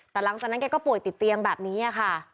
แต่หลังจากนั้นแกก็ป่วยติดเตียงแบบนี้ค่ะ